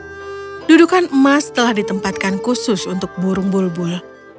semua orang dan bangsawan hadir dudukan emas telah ditempatkan khusus untuk burung bulbul